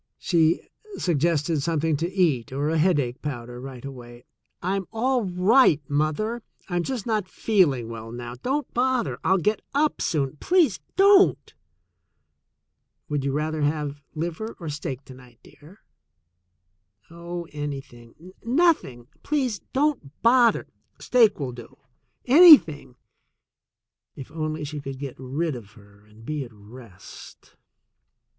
She suggested something to eat or a headache powder right away. "I'm all right, mother. I'm just not feeling well now. Don't bother. I'll get up soon. Please don't." "Would you rather have liver or steak to night, dear?" "Oh, anything — nothing — please don't bother — steak will do — anything" — if only she could get rid of her and be at rest!